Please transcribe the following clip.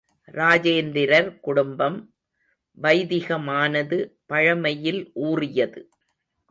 ராஜேந்திரர் குடும்பம் வைதிகமானது பழமையில் ஊறியது.